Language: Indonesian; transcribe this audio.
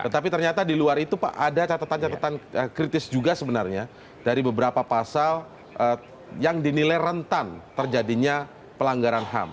tapi ternyata di luar itu pak ada catatan catatan kritis juga sebenarnya dari beberapa pasal yang dinilai rentan terjadinya pelanggaran ham